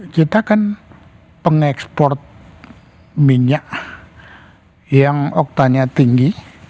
kita kan pengekspor minyak yang oktanya tinggi